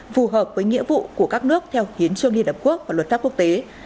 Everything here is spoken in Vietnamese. phù hợp với nghĩa vụ của các nước theo hiến trương liên hợp quốc và luật pháp quốc tế